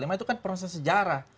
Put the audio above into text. itu kan proses sejarah